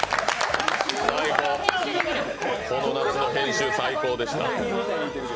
この夏の編集、最高でした。